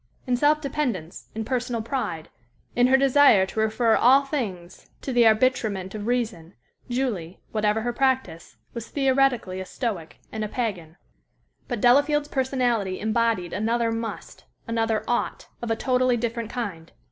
In self dependence, in personal pride, in her desire to refer all things to the arbitrament of reason, Julie, whatever her practice, was theoretically a stoic and a pagan. But Delafield's personality embodied another "must," another "ought," of a totally different kind.